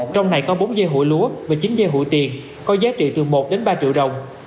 trong này có bốn dây hụi lúa và chín dây hụi tiền có giá trị từ một đến ba triệu đồng